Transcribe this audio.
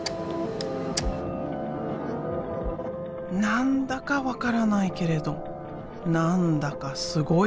何だか分からないけれど何だかすごい。